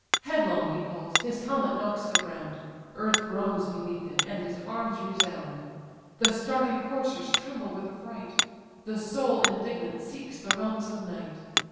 Headlong he falls, his helmet knocks the ground: Earth groans beneath him, and his arms resound; The starting coursers tremble with affright; The soul indignant seeks the realms of night.